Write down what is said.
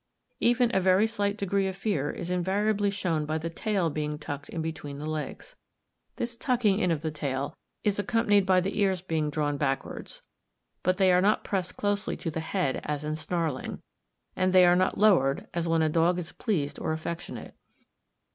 Even a very slight degree of fear is invariably shown by the tail being tucked in between the legs. This tucking in of the fail is accompanied by the ears being drawn backwards; but they are not pressed closely to the head, as in snarling, and they are not lowered, as when a dog is pleased or affectionate.